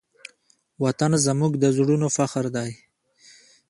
وطن زموږ د زړونو فخر دی.